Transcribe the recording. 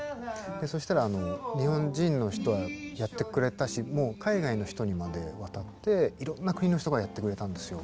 そしたら日本人の人はやってくれたしもう海外の人にまで渡っていろんな国の人がやってくれたんですよ。